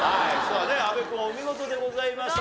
阿部君はお見事でございました。